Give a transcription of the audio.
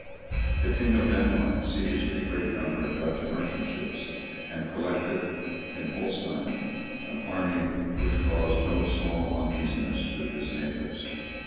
The King of Denmark seized a great number of Dutch merchantships, and collected in Holstein an army which caused no small uneasiness to his neighbours.